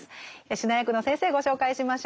指南役の先生ご紹介しましょう。